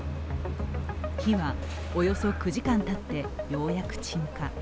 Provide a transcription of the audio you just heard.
火はおよそ９時間たってようやく鎮火。